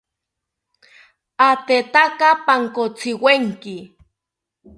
Atetaka pankotziwenki